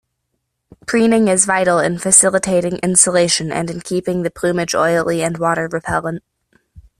Preening is vital in facilitating insulation and in keeping the plumage oily and water-repellent.